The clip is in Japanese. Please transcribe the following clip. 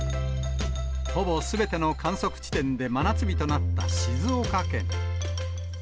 ほぼすべての観測地点で真夏日となった静岡県。